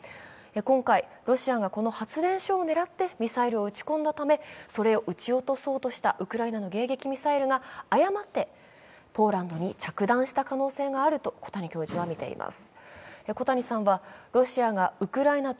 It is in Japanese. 今回、ロシアがこの発電所を狙ってミサイルを撃ち込んだため、それを撃ち落とそうとしたウクライナの迎撃ミサイルが誤ってポーランドに着弾した可能性があると小谷教授はみています。